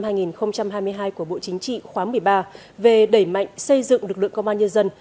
nghị quyết số một mươi hai nqtvk của bộ chính trị khoáng một mươi ba về đẩy mạnh xây dựng lực lượng công an nhân dân